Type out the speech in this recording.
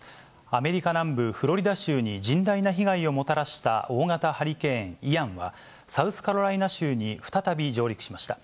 アメリカ南部フロリダ州に甚大な被害をもたらした大型ハリケーン・イアンは、サウスカロライナ州に再び上陸しました。